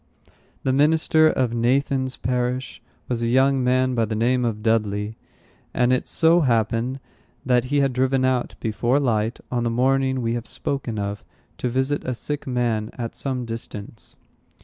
The minister of Nathan's parish was a young man by the name of Dudley; and it so happened that he had driven out, before light, on the morning we have spoken of, to visit a sick man at some distance.